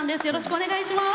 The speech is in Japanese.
お願いいたします。